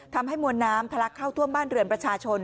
ทำให้มวลน้ำทะลักเข้าท่วมบ้านเรือนประชาชน